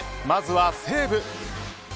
まずは西武。